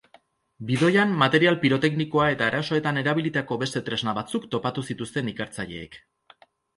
Bidoian material piroteknikoa eta erasoetan erabilitako beste tresna batzuk topatu zituzten ikertzaileek.